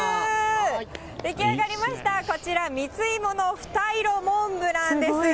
出来上がりました、こちら、蜜芋のふたいろモンブランです。